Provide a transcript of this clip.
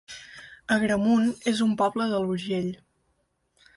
Agramunt es un poble de l'Urgell